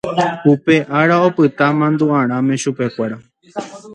Upe ára opyta mandu'arãme chupekuéra.